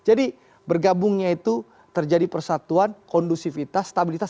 jadi bergabungnya itu terjadi persatuan kondusivitas stabilitas